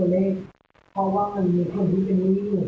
ทำไมถึงยัง